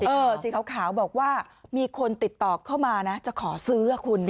สีขาวบอกว่ามีคนติดต่อเข้ามานะจะขอซื้อคุณ